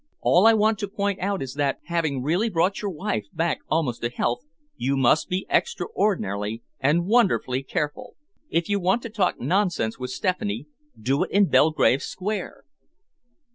All I want to point out is that, having really brought your wife back almost to health, you must be extraordinarily and wonderfully careful. If you want to talk nonsense with Stephanie, do it in Belgrave Square."